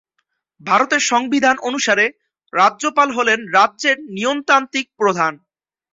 ভারতের সংবিধান অনুসারে, রাজ্যপাল হলেন রাজ্যের নিয়মতান্ত্রিক প্রধান।